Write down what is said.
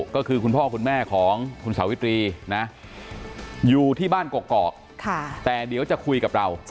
ก็คือคุณพ่อคุณแม่ของคุณสาวิตรีนะอยู่ที่บ้านกอกแต่เดี๋ยวจะคุยกับเรา